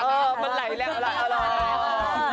เออมันไหล่แล้วล่ะเอาล่ะ